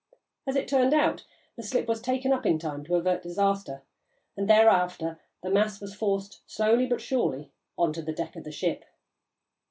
As it turned out, the slip was taken up in time to avert disaster, and thereafter the mass was forced, slowly but surely, on to the deck of the ship.